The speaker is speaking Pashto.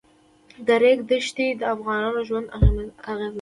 د ریګ دښتې د افغانانو ژوند اغېزمن کوي.